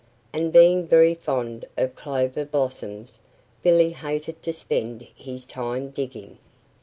And being very fond of clover blossoms, Billy hated to spend his time digging.